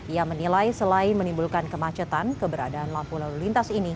ia menilai selain menimbulkan kemacetan keberadaan lampu lalu lintas ini